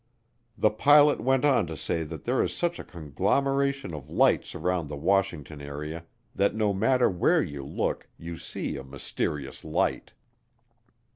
The pilot went on to say that there is such a conglomeration of lights around the Washington area that no matter where you look you see a "mysterious light."